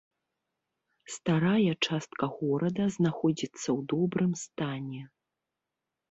Старая частка горада знаходзіцца ў добрым стане.